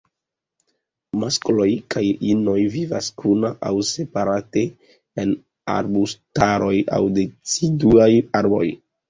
Maskloj kaj inoj vivas kuna aŭ separate en arbustaroj aŭ deciduaj arbaroj.